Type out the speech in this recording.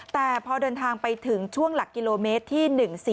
แต่พอเดินทางไปถึงช่วงหลักกิโลเมตรที่๑๔